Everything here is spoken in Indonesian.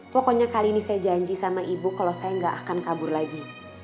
pokoknya kali ini saya janji sama ibu kalau saya nggak akan kabur lagi